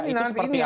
itu seperti apa